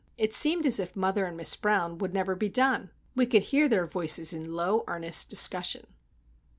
It seemed as if mother and Miss Brown would never be done. We could hear their voices in low, earnest discussion.